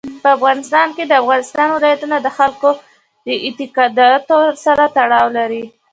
په افغانستان کې د افغانستان ولايتونه د خلکو د اعتقاداتو سره تړاو لري.